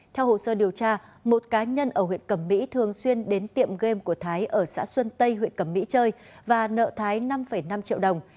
theo hồ sơ điều tra một cá nhân ở huyện cẩm mỹ thường xuyên đến tiệm game của thái ở xã xuân tây huyện cẩm mỹ chơi và nợ thái năm năm triệu đồng